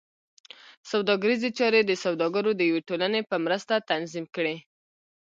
سوداګریزې چارې د سوداګرو د یوې ټولنې په مرسته تنظیم کړې.